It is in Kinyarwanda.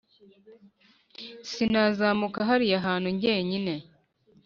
Sinazamuka hariya hantu ngenyine